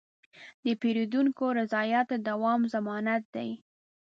د پیرودونکي رضایت د دوام ضمانت دی.